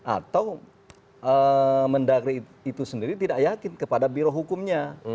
atau mendagri itu sendiri tidak yakin kepada biro hukumnya